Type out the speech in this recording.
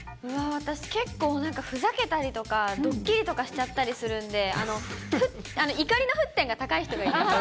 私、結構、なんかふざけたりとか、どっきりとかしちゃったりとかするんで、怒りの沸点が高い人がいいです。